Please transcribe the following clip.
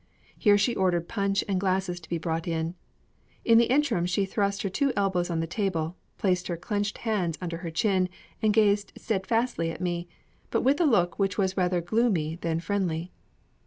Here she ordered punch and glasses to be brought in. In the interim she thrust her two elbows on the table, placed her clenched hands under her chin, and gazed steadfastly at me, but with a look which was rather gloomy than friendly.